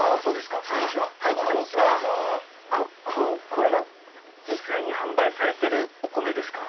これが実際に販売されてるお米ですか。